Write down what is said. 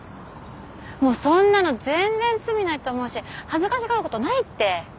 もうそんなの全然罪ないと思うし恥ずかしがることないって。